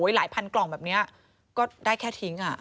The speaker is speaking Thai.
หลายพันกล่องแบบนี้ก็ได้แค่ทิ้ง